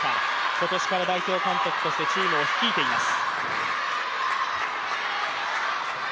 今年から代表監督としてチームを率いています。